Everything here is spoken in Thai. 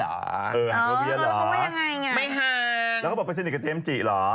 เออห่างกับเวียร์เหรอไม่ห่างแล้วก็บอกไปสินิกกับเจมส์จิหรอ